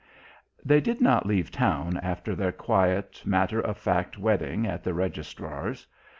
They did not leave town after their quiet, matter of fact wedding at the registrar's.